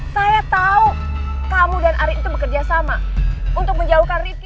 saya tahu kamu dan ari itu bekerja sama untuk menjauhkan reti